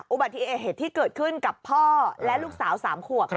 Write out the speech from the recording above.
อุบัติเหตุที่เกิดขึ้นกับพ่อและลูกสาว๓ขวบ